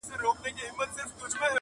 د دې نوي کفن کښ کیسه جلا وه،